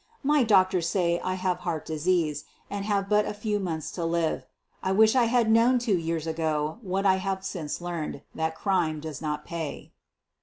My doctors say I have heart disease, and have but a few months to live. I wish I had known two years ago what I have since learned — that crime does not. pay."